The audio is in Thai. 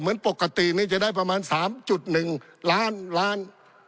เหมือนปกตินี่จะได้ประมาณสามจุดหนึ่งล้านล้าน